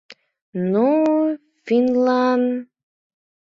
Но финнлан?..